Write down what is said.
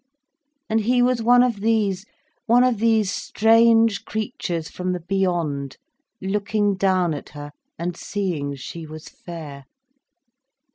And he was one of these, one of these strange creatures from the beyond, looking down at her, and seeing she was fair.